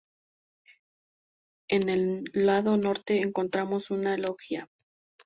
En el lado norte encontramos una "loggia".